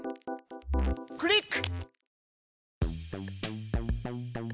クリック！